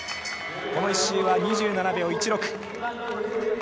この１周は２７秒１６。